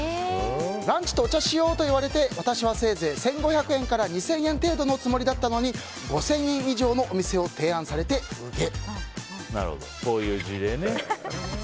ランチとお茶しようと言われて私は１５００円から２０００円程度のつもりだったのに５０００円以上のお店を提案されてこういう事例ね。